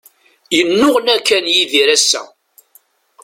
Yennuɣna kan Yidir ass-a.